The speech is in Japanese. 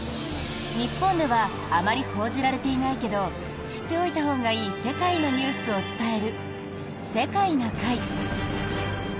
日本ではあまり報じられていないけど知っておいたほうがいい世界のニュースを伝える「世界な会」。